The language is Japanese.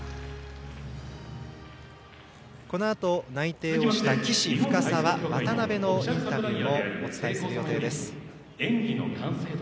このあと、内定をした岸、渡部、深沢のインタビューをお伝えする予定です。